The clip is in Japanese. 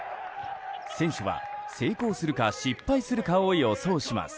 選手は、成功するか失敗するかを予想します。